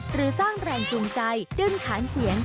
หรือสร้างแรงจูงใจดึงฐานเสียง